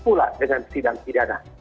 pula dengan sidang sidana